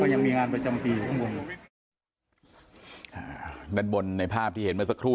ยังมีงานประจำปีอยู่ข้างบนอ่าด้านบนในภาพที่เห็นเมื่อสักครู่